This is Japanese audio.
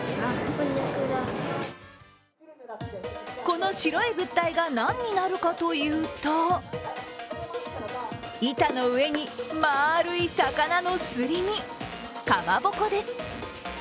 この白い物体が何になるかというと板の上に丸い魚のすり身かまぼこです。